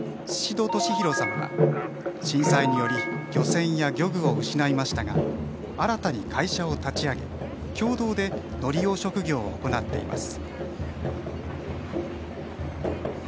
宍戸敏浩さんは震災により漁船や漁具を失いましたが新たに会社を立ち上げ、共同でノリ養殖業を行っています。